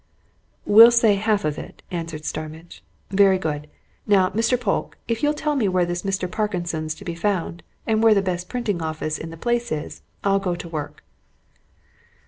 "We'll say half of it," answered Starmidge. "Very good. Now, Mr. Polke, if you'll tell me where this Mr. Parkinson's to be found, and where the best printing office in the place is, I'll go to work."